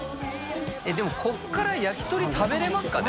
でもここから焼き鳥食べれますかね？